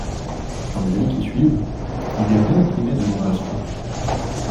Dans les années qui suivent, il est réimprimé de nombreuses fois.